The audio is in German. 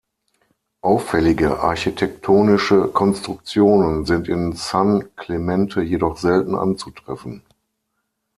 Auffällige architektonische Konstruktionen sind in San Clemente jedoch selten anzutreffen.